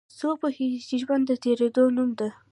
څوک پوهیږي چې ژوند د تیریدو نوم ده